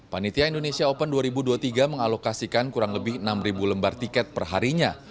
panitia indonesia open dua ribu dua puluh tiga mengalokasikan kurang lebih enam lembar tiket perharinya